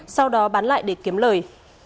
sau đó bán lại để kiếm lời